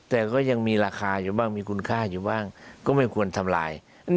แต่ก็ยังมีราคาอยู่บ้างมีคุณค่าอยู่บ้างก็ไม่ควรทำลาย